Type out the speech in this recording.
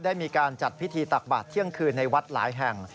ได้มีการจัดพิธีตักบาทเที่ยงคืนในวัดหลายแห่ง